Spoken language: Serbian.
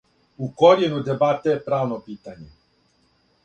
У коријену дебате је правно питање.